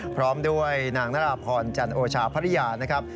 พร้อมด้วยนางนราพรจันโอชาภรรยานะครับ